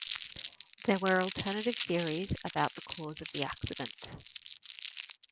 There were alternative theories about the cause of the accident.